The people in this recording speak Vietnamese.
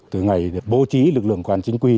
từ ngày bố trí lực lượng quán chính quy